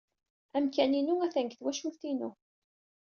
Amkan-inu atan deg twacult-inu.